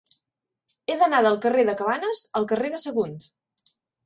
He d'anar del carrer de Cabanes al carrer de Sagunt.